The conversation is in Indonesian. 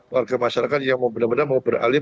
warga masyarakat yang mau benar benar mau beralih